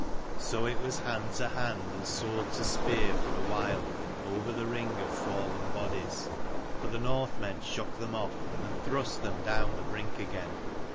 So it was hand to hand and sword to spear for a while, over the ring of fallen bodies. But the Northmen shook them off, and thrust them down the brink again.